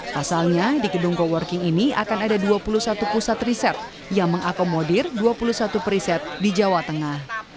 pasalnya di gedung co working ini akan ada dua puluh satu pusat riset yang mengakomodir dua puluh satu periset di jawa tengah